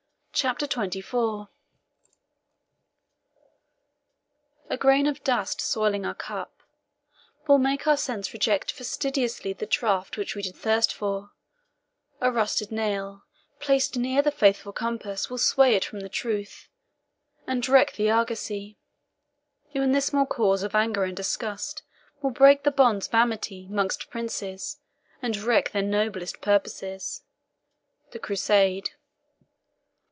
] CHAPTER XXIV A grain of dust Soiling our cup, will make our sense reject Fastidiously the draught which we did thirst for; A rusted nail, placed near the faithful compass, Will sway it from the truth, and wreck the argosy. Even this small cause of anger and disgust Will break the bonds of amity 'mongst princes, And wreck their noblest purposes. THE CRUSADE.